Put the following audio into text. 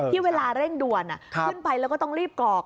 เวลาเร่งด่วนขึ้นไปแล้วก็ต้องรีบกรอก